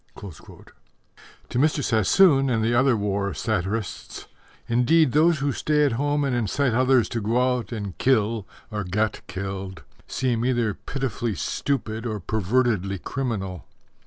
_ To Mr. Sassoon and the other war satirists, indeed, those stay at home and incite others to go out and kill or get killed seem either pitifully stupid or pervertedly criminal.